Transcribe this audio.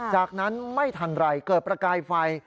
จากนั้นไม่ทันไรเกิดประกายไฟ